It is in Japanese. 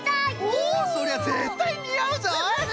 おそりゃぜったいにあうぞい！